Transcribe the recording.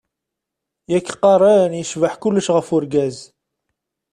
Yak qqaren yecbeḥ kulec ɣef urgaz.